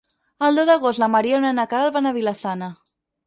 El deu d'agost na Mariona i na Queralt van a Vila-sana.